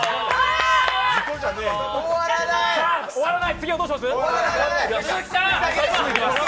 終わらない、次はどうします？